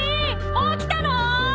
起きたの！？